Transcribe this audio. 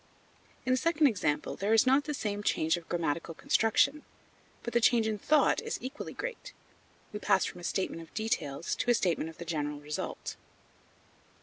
In the second example there is not the same change of grammatical construction, but the change in thought is equally great; we pass from a statement of details to a statement of the general result.